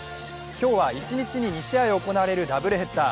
今日は一日に２試合行われるダブルヘッダー。